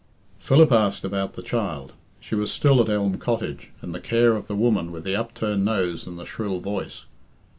Philip asked about the child. She was still at Elm Cottage in the care of the woman with the upturned nose and the shrill voice.